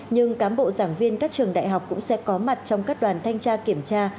nhưng cán bộ giảng viên các trường đại học cũng sẽ có mặt trong các đoàn thanh tra kiểm tra